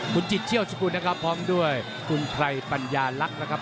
คุณจิตเชี่ยวสกุลนะครับพร้อมด้วยคุณไพรปัญญาลักษณ์นะครับ